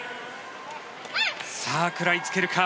食らいつけるか。